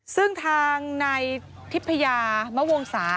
ซึ่งทางนายทิพยามวงศา